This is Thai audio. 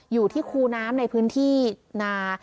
อยู่ที่คูน้ำในพื้นที่นา